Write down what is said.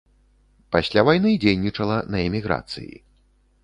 Пасля вайны дзейнічала на эміграцыі.